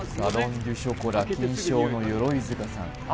・デュ・ショコラ金賞の鎧塚さん